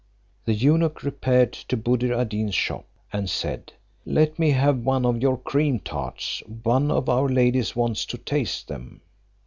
The eunuch repaired to Buddir ad Deen's shop, and said, "Let me have one of your cream tarts; one of our ladies wants to taste them."